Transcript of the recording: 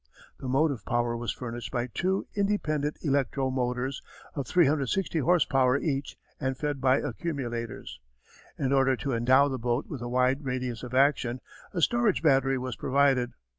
The motive power was furnished by two independent electro motors of 360 horse power each and fed by accumulators. In order to endow the boat with a wide radius of action a storage battery was provided.